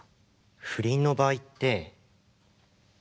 不倫の場合って。